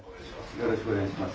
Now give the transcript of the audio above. よろしくお願いします。